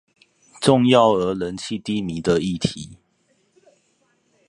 重要而人氣低迷的議題